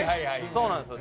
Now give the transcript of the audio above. そうなんです。